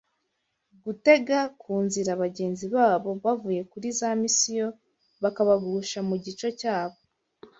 gutega ku nzira bagenzi babo bavuye kuri za misiyoni bakabagusha mu gico cyabo